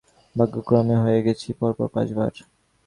ভাগ্যক্রমে হয়ে গেছি, পর পর পাঁচ বার!